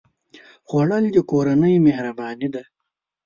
خوړل د کورنۍ مهرباني ده